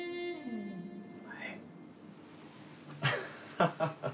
ハハハハ。